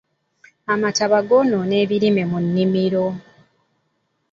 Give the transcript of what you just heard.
Amataba goonoona ebimera mu nnimiro.